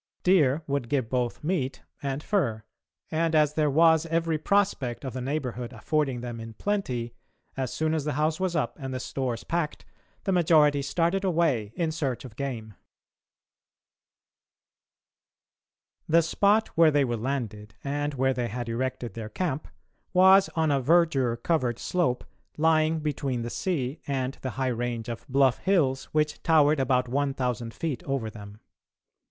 Deer would give both meat and fur, and as there was every prospect of the neighbourhood affording them in plenty, as soon as the house was up and the stores packed, the majority started away in search of game. The spot where they were landed, and where they had erected their camp, was on a verdure covered slope lying between the sea and the high range of bluff hills which towered about 1000 feet over them.